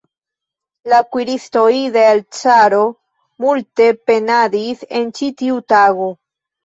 La kuiristoj de l' caro multe penadis en ĉi tiu tago.